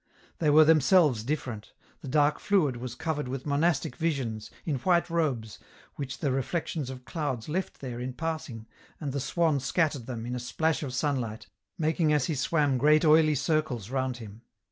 They were themselves different ; the dark fluid was covered with monastic visions, in white robes, which the reflections of clouds left there in passing, and the swan scattered them, in a splash of sunlight, making as he swam great oily circles round him.